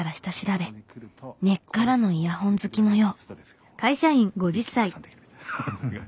根っからのイヤホン好きのよう。